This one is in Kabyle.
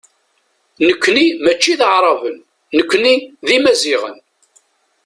Nekkni mačči d Aɛraben, nekkni d Imaziɣen.